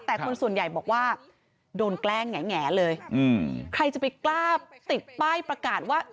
แต่คนส่วนใหญ่บอกว่าโดนแกล้งแหงเลยใครจะไปกล้าติดป้ายประกาศว่า